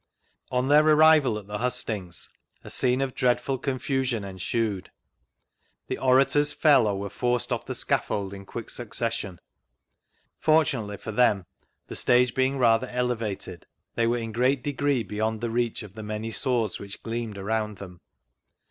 On their arrival at the hustings a scene of dreadful confusion ensued. The orators fell or were forced off the scaffold in quick succession; fortunately for them, the stage being rather elevated, they were in gneat degree beyond the reach of the many swords which gleamed around them.